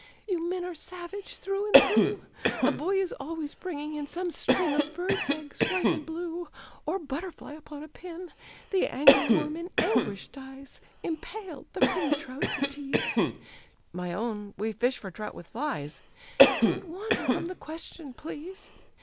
"You men are savage, through and through, A boy is always bringing in Some string of birds' eggs, white and blue, Or butterfly upon a pin. The angle worm in anguish dies, Impaled, the pretty trout to tease " "My own, we fish for trout with flies " "Don't wander from the question, please."